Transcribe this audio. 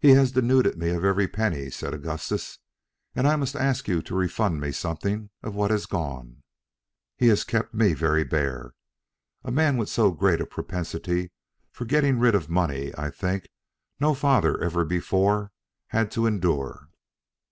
"He has denuded me of every penny," said Augustus, "and I must ask you to refund me something of what has gone." "He has kept me very bare. A man with so great a propensity for getting rid of money I think no father ever before had to endure."